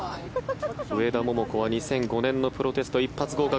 上田桃子は２００５年のプロテスト一発合格。